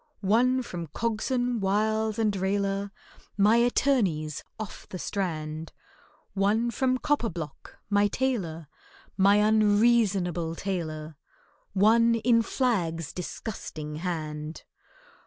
One from COGSON, WILES, and RAILER, My attorneys, off the Strand; One from COPPERBLOCK, my tailor— My unreasonable tailor— One in FLAGG'S disgusting hand.